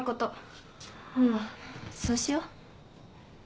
うんそうしよう。